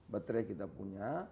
baterai kita punya